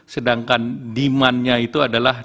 sedangkan demandnya itu adalah dua empat juta